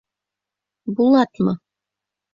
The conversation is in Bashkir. Булатмы?